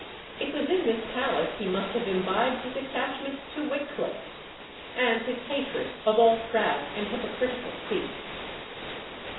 It was in this palace he must have imbibed his attachment to Wickliffe, and his hatred of all proud and hypocritical priests.